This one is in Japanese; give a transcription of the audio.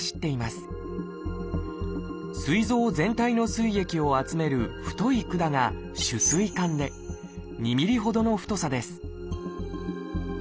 すい臓全体の膵液を集める太い管が「主膵管」で２ｍｍほどの太さです